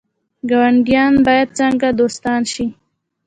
ګاونډیان باید څنګه دوستان شي؟